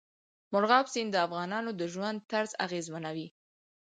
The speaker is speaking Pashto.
مورغاب سیند د افغانانو د ژوند طرز اغېزمنوي.